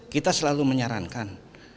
kita selalu menyarankan